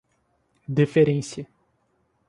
deferência